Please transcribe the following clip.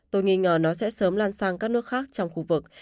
tôi nghĩ ngờ nó sẽ sớm lan sang các nước khác trong khu vực